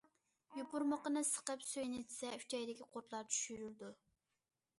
يوپۇرمىقىنى سىقىپ سۈيىنى ئىچسە، ئۈچەيدىكى قۇرتلار چۈشۈرىدۇ.